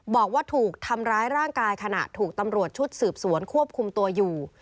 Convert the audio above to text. บอกว่าถูกทำร้ายร่างกายขณะถูกตำรวจชุดสืบสวนควบคุมตัวอยู่